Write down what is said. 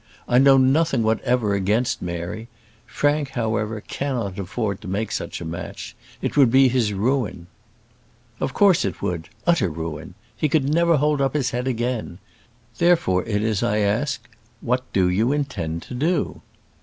I know nothing whatever against Mary. Frank, however, cannot afford to make such a match. It would be his ruin." "Of course it would; utter ruin; he never could hold up his head again. Therefore it is I ask, What do you intend to do?"